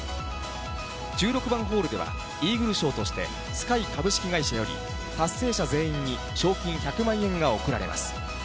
１６番ホールでは、イーグル賞として、Ｓｋｙ株式会社より、達成者全員に賞金１００万円が贈られます。